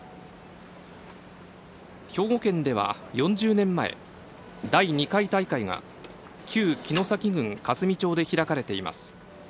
兵庫県では４０年前第２回大会が旧城崎郡香住町で開かれています。